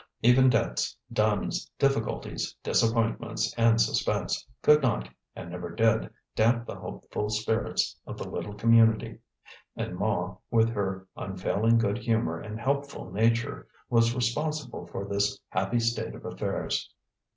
Even debts, duns, difficulties, disappointments and suspense could not, and never did, damp the hopeful spirits of the little community. And Ma, with her unfailing good humour and helpful nature, was responsible for this happy state of affairs.